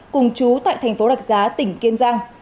cùng chú tại thành phố rạch giá tỉnh kiên giang